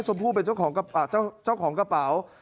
ชมพู่เป็นเจ้าของกระเป๋า